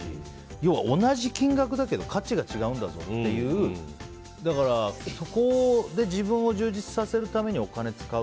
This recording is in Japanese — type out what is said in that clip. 要は同じ金額だけど価値が違うんだぞっていうだからそこで自分を充実させるためにお金を使う。